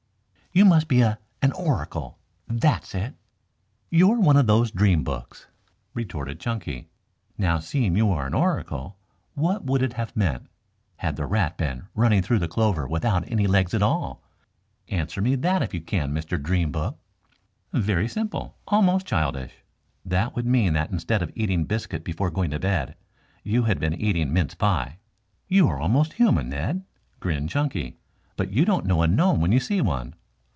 "You must be a an oracle. That's it. You're one of those dream books," retorted Chunky. "Now seeing you are an oracle, what would it have meant had the rat been running through the clover without any legs at all? Answer me that if you can, Mr. Dream Book!" "Very simple. Almost childish. That would mean that instead of eating biscuit before going to bed, you had been eating mince pie." "You are almost human, Ned," grinned Chunky. "But you don't know a gnome when you see one."